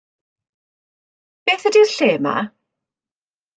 Beth ydi'r lle 'ma?